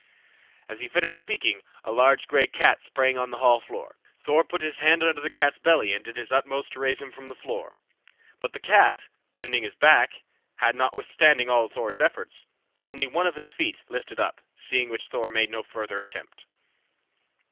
As he finished speaking, a large gray cat sprang on the hall floor. Thor put his hand under the cat's belly and did his utmost to raise him from the floor, but the cat, bending his back, had, notwithstanding all Thor's efforts, only one of his feet lifted up, seeing which Thor made no further attempt.